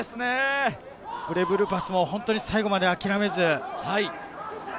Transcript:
ブレイブルーパスも最後まで諦めず。